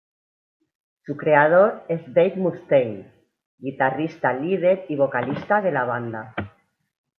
Su creador es Dave Mustaine, guitarrista líder y vocalista de la banda.